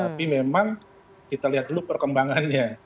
tapi memang kita lihat dulu perkembangannya